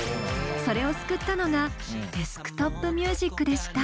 それを救ったのがデスクトップミュージックでした。